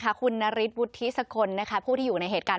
ขอบคุณณฤทธิสกลนะคะผู้ที่อยู่ในเหตุการณ์